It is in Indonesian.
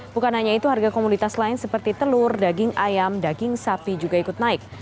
bukan hanya itu harga komunitas lain seperti telur daging ayam daging sapi juga ikut naik